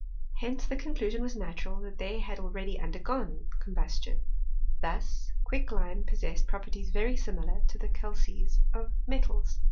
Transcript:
Hence the conclusion was natural, that they had already undergone combustion. Thus quicklime possessed properties very similar to the calces of metals.